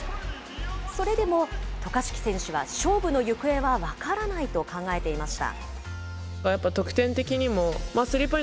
それでも渡嘉敷選手は勝負の行方は分からないと考えていました。